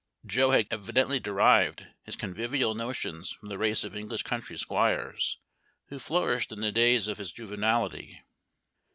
Joe had evidently derived his convivial notions from the race of English country squires who flourished in the days of his juvenility.